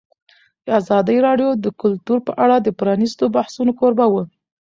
ازادي راډیو د کلتور په اړه د پرانیستو بحثونو کوربه وه.